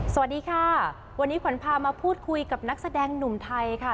สวัสดีค่ะวันนี้ขวัญพามาพูดคุยกับนักแสดงหนุ่มไทยค่ะ